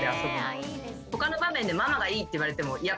他の場面でママがいいって言われてもいや